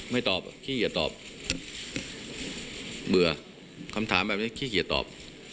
ไม่ตอบขี้เหงียวตอบเบื่อคำถามแบบนี้ขี้เหงียวตอบ